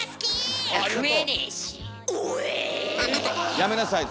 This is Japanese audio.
やめなさいそれ。